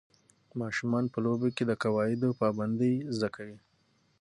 ماشومان په لوبو کې د قواعدو پابندۍ زده کوي.